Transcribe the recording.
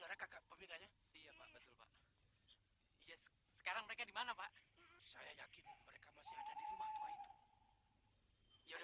aku masih buka kayaknya malam ini bakal mati deh gua nggak mau mati